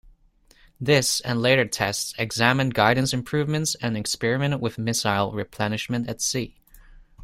This, and later tests, examined guidance improvements and experimented with missile replenishment at sea.